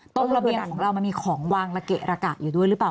ตรงระเบียงของเรามันมีของวางระเกะระกะอยู่ด้วยหรือเปล่า